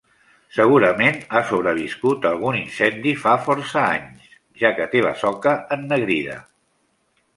Segurament ha sobreviscut a algun incendi fa força anys, ja que té la soca ennegrida.